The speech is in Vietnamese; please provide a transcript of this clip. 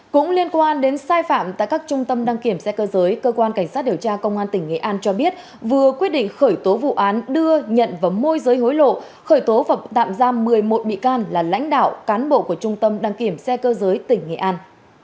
cũng liên quan đến sai phạm tại các trung tâm đăng kiểm xe cơ giới cơ quan cảnh sát điều tra công an tỉnh nghệ an cho biết vừa quyết định khởi tố vụ án đưa nhận và môi giới hối lộ khởi tố và tạm giam một mươi một bị can là lãnh đạo cán bộ của trung tâm đăng kiểm xe cơ giới tỉnh nghệ an